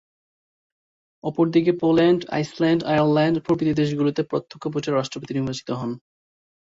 অপরদিকে Poland, Iceland, Ireland প্রভৃতি দেশগুলোতে প্রত্যক্ষ ভোটে রাষ্ট্রপতি নির্বাচিত হন।